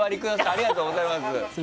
ありがとうございます。